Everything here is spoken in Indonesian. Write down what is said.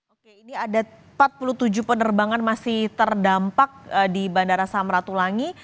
oke ini ada empat puluh tujuh penerbangan masih terdampak di bandara samratulangi